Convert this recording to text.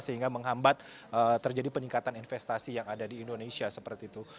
sehingga menghambat terjadi peningkatan investasi yang ada di indonesia seperti itu